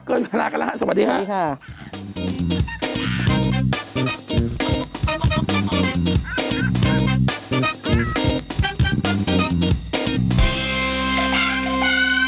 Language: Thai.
เขาบอกว่าโดนคล